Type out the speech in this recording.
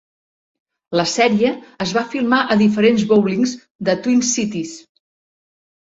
La sèrie es va filmar a diferents bowlings de Twin Cities.